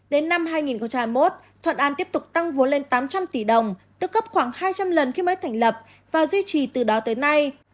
đến năm hai nghìn hai mươi một thuận an tiếp tục tăng vốn lên tám trăm linh tỷ đồng tức cấp khoảng hai trăm linh lần khi mới thành lập và duy trì từ đó tới nay